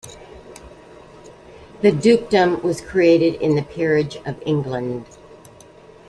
The dukedom was created in the Peerage of England.